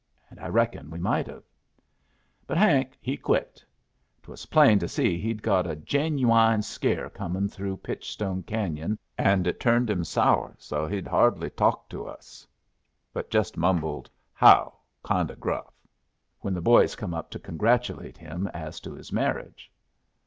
And I reckon we might have. "But Hank he quit. 'Twas plain to see he'd got a genu wine scare comin' through Pitchstone Canyon, and it turned him sour, so he'd hardly talk to us, but just mumbled 'How!' kind o' gruff, when the boys come up to congratulate him as to his marriage.